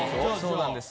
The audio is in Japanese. そうなんです。